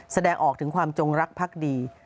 แสดงออกถึงความจงรักพักดี